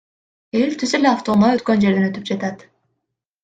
Эл түз эле автоунаа өткөн жерден өтүп жатат.